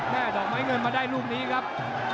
ดอกไม้เงินมาได้ลูกนี้ครับ